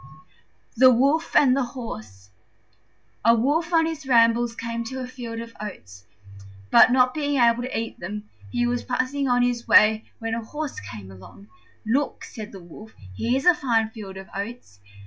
THE WOLF AND THE HORSE A Wolf on his rambles came to a field of oats, but, not being able to eat them, he was passing on his way when a Horse came along. "Look," said the Wolf, "here's a fine field of oats.